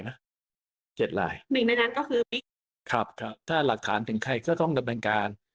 ๑ในนั้นก็คือวิทยาลัยถ้าหลักฐานถึงใครก็ต้องดำเนินการ